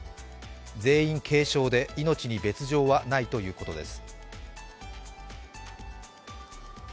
全員、軽症で命に別状はないということです。